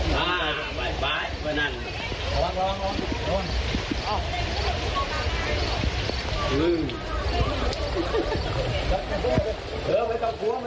ยืนเลยยืนเลย